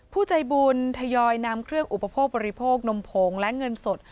ผู้ใจบุญทยอยนำเครื่องอุปโภคบริโคนมผงและเงินสด